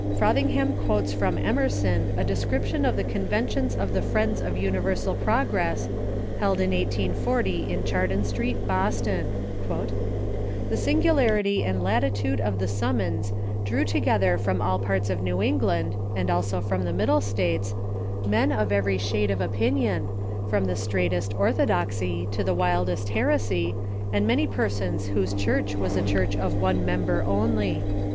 Frothingham quotes from Emerson a de scription of the Conventions of the Friends of Universal Prog ress, held in 1840 in Chardon Street, Boston : ''The singularity and latitude of the summons drew to gether from all parts of New England, and also from the Mid dle States, men of every shade of opinion, from the strait est orthodoxy to the wildest heresy, and many persons whose church was a church of one member only.